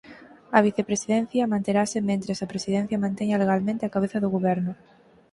A vicepresidencia manterase mentres a presidencia manteña legalmente a cabeza do Goberno.